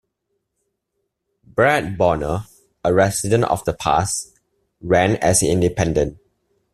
Brad Bodnar, a resident of The Pas, ran as an independent.